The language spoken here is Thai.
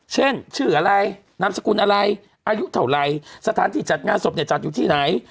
เช่นชื่ออะไรนามสกุลอะไรอายุเท่าไหร่สถานที่จัดงานศพเนี่ยจัดอยู่ที่ไหน